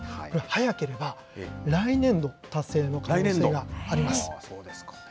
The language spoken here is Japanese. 早ければ、来年度達成の可能性があります。